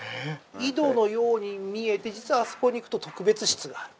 井戸のように見えて実はあそこに行くと特別室がある。